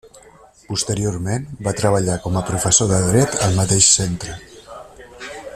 Posteriorment, va treballar com a professor de Dret al mateix centre.